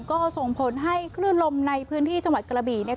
ก็ส่งผลให้คลื่นลมในพื้นที่จังหวัดกระบี่เนี่ย